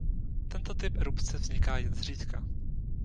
Tento typ erupce vzniká jen zřídka.